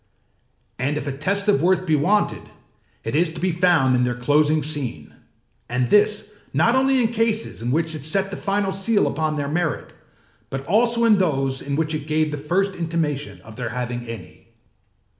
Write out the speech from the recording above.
And if a test of worth be wanted, it is to be found in their closing scene, and this not only in cases in which it set the final seal upon their merit, but also in those in which it gave the first intimation of their having any.